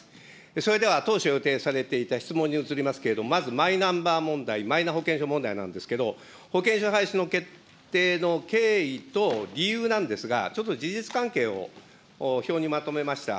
それでは当初予定されていた質問に移りますけれども、まずマイナンバー問題、マイナ保険証問題なんですけども、保険証廃止の決定の経緯と理由なんですが、ちょっと事実関係を表にまとめました。